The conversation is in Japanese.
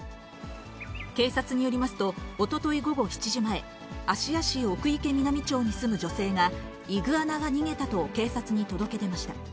警察によりますと、おととい午後７時前、芦屋市奥池南町に住む女性が、イグアナが逃げたと警察に届け出ました。